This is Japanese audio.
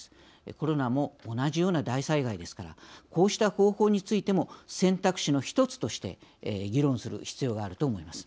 コロナも同じような大災害ですからこうした方法についても選択肢の一つとして議論する必要があると思います。